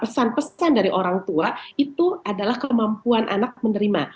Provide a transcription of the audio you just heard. pesan pesan dari orang tua itu adalah kemampuan anak menerima